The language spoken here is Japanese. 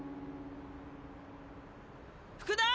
福田！